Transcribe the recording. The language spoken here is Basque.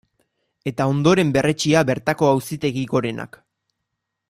Eta ondoren berretsia bertako Auzitegi Gorenak.